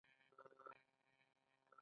هغه په پاني پت کې ابراهیم لودي ته ماتې ورکړه.